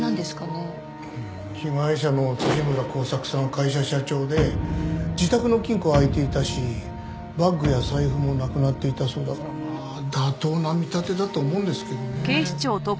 被害者の村幸作さんは会社社長で自宅の金庫は空いていたしバッグや財布もなくなっていたそうだからまあ妥当な見立てだと思うんですけどね。